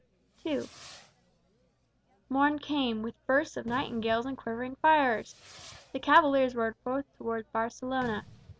II Morn came, With bursts of nightingales and quivering fires. The cavaliers rode forth toward Barcelona.